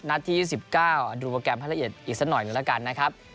ที่๒๙ดูโปรแกรมให้ละเอียดอีกสักหน่อยหนึ่งแล้วกันนะครับ